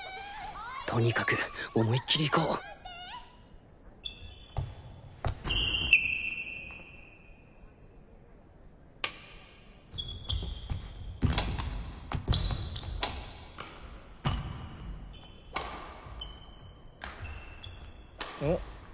とにかく思いっきり行こうお。